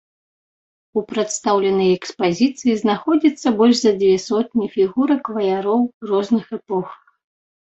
У прадстаўленай экспазіцыі знаходзяцца больш за дзве сотні фігурак ваяроў розных эпох.